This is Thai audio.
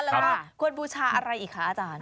แล้วก็ควรบูชาอะไรอีกคะอาจารย์